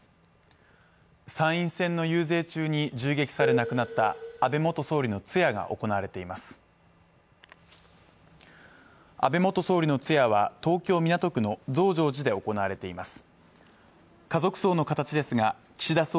参院選の遊説中に銃撃され亡くなった安倍元総理の通夜が行われています安倍元総理の通夜は東京・港区の増上寺で行われています